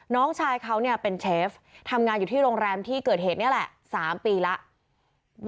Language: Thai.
น้องชายเขาเป็นเชฟทำงานอยู่ที่โรงแรมที่เกิดเหตุนี่แหละ๓ปีแล้ว